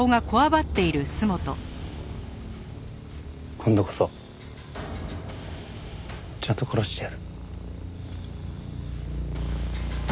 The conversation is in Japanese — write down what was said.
今度こそちゃんと殺してやる。